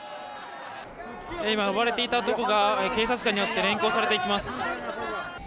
今、暴れていた男が警察官によって連行されていきます。